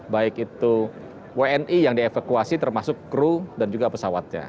baik itu wni yang dievakuasi termasuk kru dan juga pesawatnya